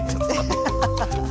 ハハハハハ！